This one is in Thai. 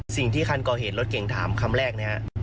สิ่งที่คันกอเหตุรถเก่งถามคำแรกนะครับ